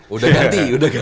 sudah ganti sudah ganti